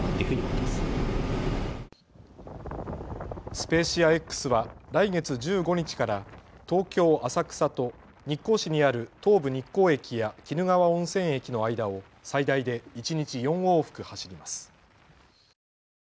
スペーシアＸは来月１５日から東京浅草と日光市にある東武日光駅や鬼怒川温泉駅の間を最大で一日４往復走ります。